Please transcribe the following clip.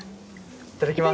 いただきます。